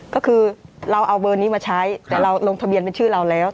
ก็คือเราเอาเบอร์นี้มาใช้แต่เราลงทะเบียนเป็นชื่อเราแล้ว